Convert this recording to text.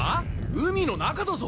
海の中だぞ！